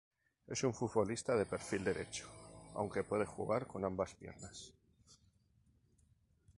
Es un futbolista de perfil derecho, aunque puede jugar con ambas piernas.